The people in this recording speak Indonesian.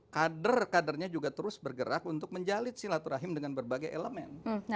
kader kadernya juga terus bergerak untuk menjalin silaturahim dengan berbagai elemen